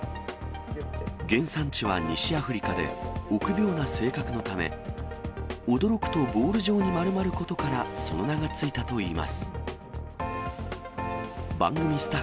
原産地は西アフリカで、臆病な性格のため、驚くのボール状に丸まることから、その名が付いたといいます。